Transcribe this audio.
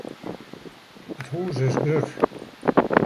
It hús is grut.